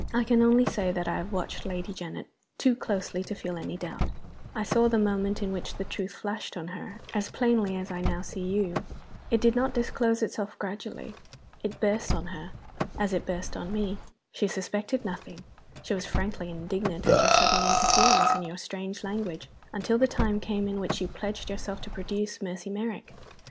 I can only say that I have watched Lady Janet too closely to feel any doubt. I saw the moment in which the truth flashed on her, as plainly as I now see you. It did not disclose itself gradually it burst on her, as it burst on me. She suspected nothing she was frankly indignant at your sudden interference and your strange language until the time came in which you pledged yourself to produce Mercy Merrick.